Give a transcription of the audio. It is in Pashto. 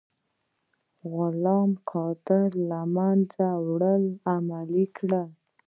غلام قادر له منځه وړل عملي کړئ.